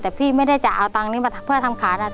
และไอ้ตรงนี้ท้าวก็พังอ่ะ